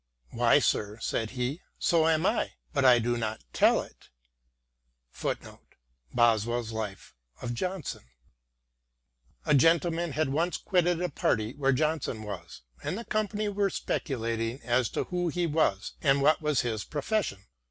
" Why, sir," said he, " so am I — bui I do not tell it." * A gentleman had once quitted a party where Johnson was, and the company were speculating as to who he was and what was his profession.